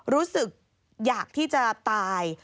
รู้สึกอยากที่จะตาย